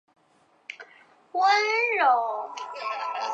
此处原有一座圣方济各教堂。